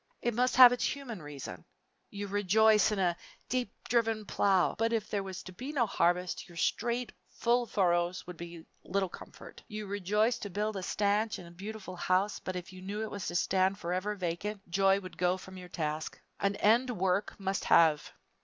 It must have its human reason. You rejoice in a "deep driven plow" but if there was to be no harvest, your straight, full furrows would be little comfort. You rejoice to build a stanch and beautiful house, but if you knew it was to stand forever vacant, joy would go from your task. An end work must have.